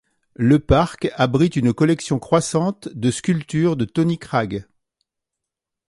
Le parc abrite une collection croissante de sculptures de Tony Cragg.